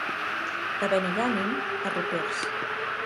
A Benigànim, arropers.